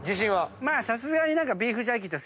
まあさすがに。